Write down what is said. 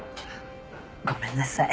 ごめんなさい。